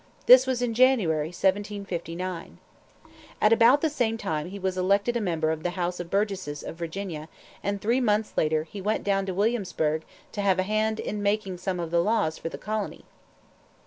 This was in January, 1759. At about the same time he was elected a member of the House of Burgesses of Virginia; and three months later, he went down to Williamsburg to have a hand in making some of the laws for the colony.